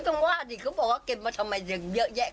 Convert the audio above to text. ทำไมเก็บแต่โกดมาทำไมมันร้อนไปหมดเลยแน่นไปหมด